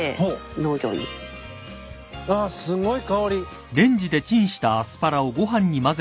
あっすごい香り。